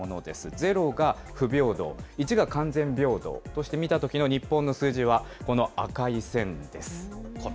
０が不平等、１が完全平等として見たときの日本の数字はこの赤い線です。